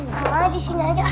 mama di sini aja